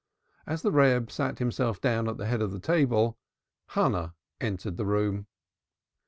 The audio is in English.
As the Reb sat himself down at the head of the table Hannah entered the room.